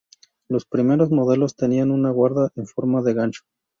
Los primeros modelos tenían una guarda en forma de gancho.